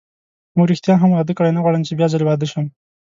موږ ریښتیا هم واده کړی، نه غواړم چې بیا ځلي واده شم.